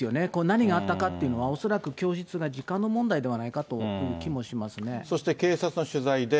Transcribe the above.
何があったかっていうのを恐らく供述は時間の問題じゃないかといそして警察の取材で。